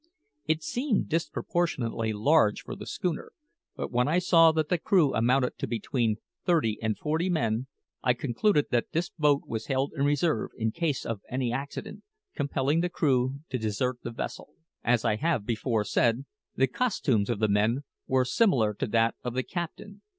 It seemed disproportionately large for the schooner; but when I saw that the crew amounted to between thirty and forty men, I concluded that this boat was held in reserve in case of any accident compelling the crew to desert the vessel. As I have before said, the costumes of the men were similar to that of the captain.